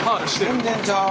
全然ちゃう。